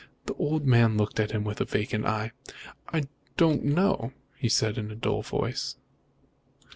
The old man looked at him with a vacant eye. "I don't know," he said in a dull voice.